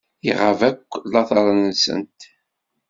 Iɣab akk later-nsent.